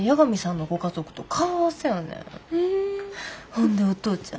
ほんでお父ちゃん